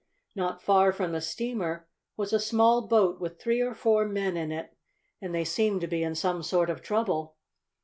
Not far from the steamer was a small boat with three or four men in it, and they seemed to be in some sort of trouble.